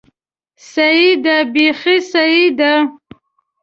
سيي ده، بېخي سيي ده!